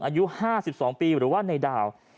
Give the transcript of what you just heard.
อายุ๕๒ปีหรือว่าในดาว